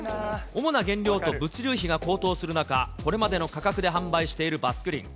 主な原料と物流費が高騰する中、これまでの価格で販売しているバスクリン。